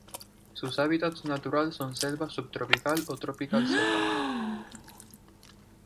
Sus hábitats natural son selvas subtropical o tropical secas.